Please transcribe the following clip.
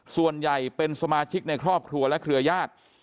ส่วนใหญ่เป็นสมาชิกในครอบครัวและเครือญาติ